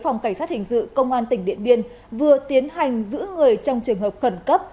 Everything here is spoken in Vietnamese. phòng cảnh sát hình sự công an tỉnh điện biên vừa tiến hành giữ người trong trường hợp khẩn cấp